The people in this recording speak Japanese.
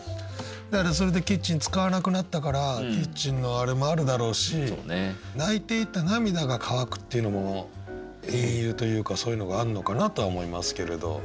だからそれでキッチン使わなくなったからキッチンのあれもあるだろうし泣いていた涙が乾くっていうのも隠喩というかそういうのがあんのかなとは思いますけれど。